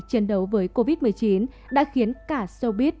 chiến đấu với covid một mươi chín đã khiến cả sobit